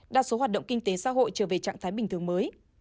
đa số hoạt động kinh tế xã hội trở về trạng thái bình thường mới